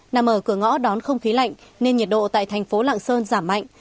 nằm ở cửa ngõ đón không khí lạnh nên nhiệt độ tại thành phố lạng sơn giảm mạnh